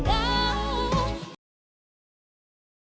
dan apabila kita berpisah